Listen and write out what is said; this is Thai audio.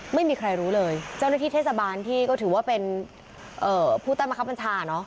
ไม่มีใครรู้เลยเจ้าหน้าที่เทศบาลที่ก็ถือว่าเป็นเอ่อผู้ตามกรรมชาติเนาะ